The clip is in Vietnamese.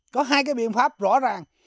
có hai cái biện pháp rõ ràng